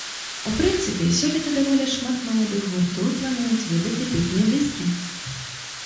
У прынцыпе, сёлета даволі шмат маладых гуртоў плануюць выдаць дэбютныя дыскі.